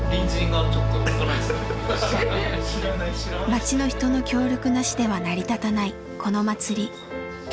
町の人の協力なしでは成り立たないこの祭り。